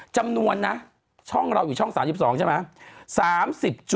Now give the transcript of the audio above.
จำนวนนะช่องเราอยู่ช่อง๓๒ใช่ไหม